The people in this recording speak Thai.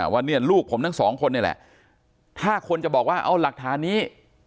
ว่าเนี่ยลูกผมทั้งสองคนนี่แหละถ้าคนจะบอกว่าเอาหลักฐานนี้